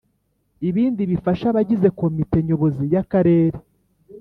Ibindi bifasha abagize Komite Nyobozi y Akarere